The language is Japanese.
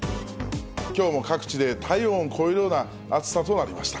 きょうも各地で体温を超えるような暑さとなりました。